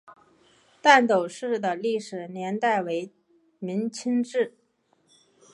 旦斗寺的历史年代为明至清。